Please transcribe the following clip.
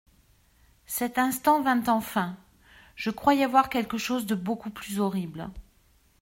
Cet instant vint enfin : je croyais voir quelque chose de beaucoup plus horrible.